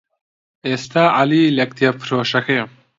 ئێستا عەلی لە کتێبفرۆشییەکەیە.